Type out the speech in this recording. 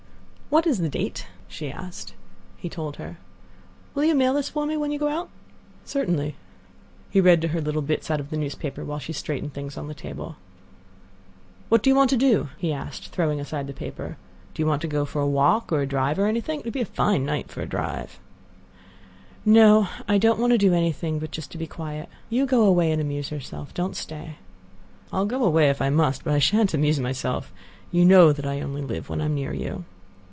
"What is the date?" she asked. He told her. "Will you mail this for me when you go out?" "Certainly." He read to her little bits out of the newspaper, while she straightened things on the table. "What do you want to do?" he asked, throwing aside the paper. "Do you want to go out for a walk or a drive or anything? It would be a fine night to drive." "No; I don't want to do anything but just be quiet. You go away and amuse yourself. Don't stay." "I'll go away if I must; but I shan't amuse myself. You know that I only live when I am near you."